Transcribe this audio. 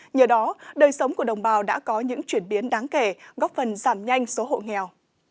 nhờ đó đời sống của đồng bào đã có những chuyển biến đáng kể góp phần giảm nhanh số hộ nghèo